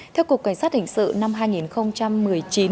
theo cục cảnh sát hình sự năm hai nghìn một mươi chín